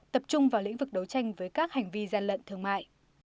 tập trung vào lĩnh vực đấu tranh với các hành vi gian lận thương mại